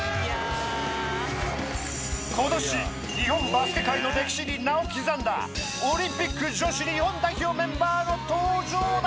今年日本バスケ界の歴史に名を刻んだオリンピック女子日本代表メンバーの登場だ。